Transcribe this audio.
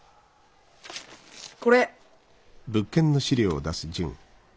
これ。